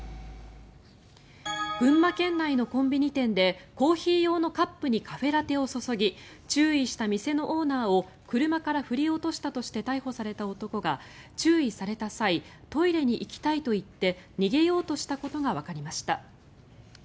群馬県内のコンビニ店でコーヒー用のカップにカフェラテを注ぎ注意した店のオーナーを車から振り落としたとして逮捕された男が、注意された際トイレに行きたいと言って逃げようとしたことがわかりました。